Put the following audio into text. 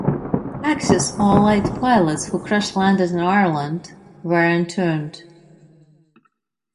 Axis or allied pilots who crash landed in Ireland were interned.